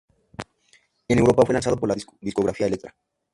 En Europa fue lanzado por la discográfica Elektra.